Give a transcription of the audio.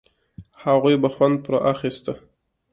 هغوی به خوند پر اخيسته.